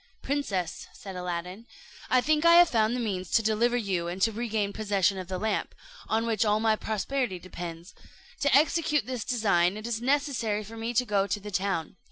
"Princess," said Aladdin, "I think I have found the means to deliver you and to regain possession of the lamp, on which all my prosperity depends; to execute this design it is necessary for me to go to the town.